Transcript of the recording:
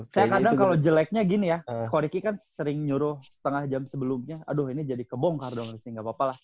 saya kadang kalau jeleknya gini ya koriki kan sering nyuruh setengah jam sebelumnya aduh ini jadi kebongkar dong sih gak apa apa lah